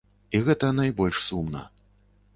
І гэта найбольш сумна.